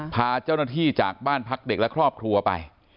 พาเจ้าหน้าที่จากบ้านพักเด็กและครอบครัวไป